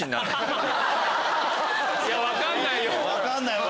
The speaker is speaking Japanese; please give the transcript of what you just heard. いや分かんないよ！